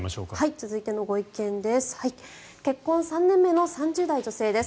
続いてのご意見です。